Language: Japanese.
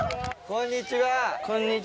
こんにちは。